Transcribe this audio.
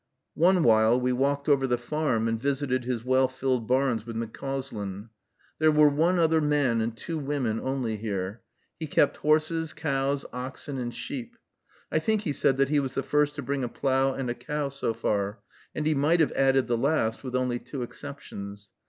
One while we walked over the farm and visited his well filled barns with McCauslin. There were one other man and two women only here. He kept horses, cows, oxen, and sheep. I think he said that he was the first to bring a plow and a cow so far; and he might have added the last, with only two exceptions.